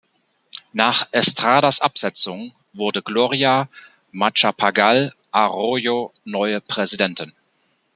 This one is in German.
Nach Estradas Absetzung wurde Gloria Macapagal Arroyo neue Präsidentin.